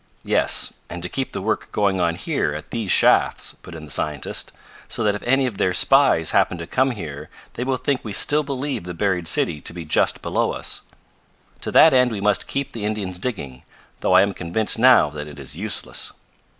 "Yes. And to keep the work going on here, at these shafts," put in the scientist, "so that if any of their spies happen to come here they will think we still believe the buried city to be just below us. To that end we must keep the Indians digging, though I am convinced now that it is useless."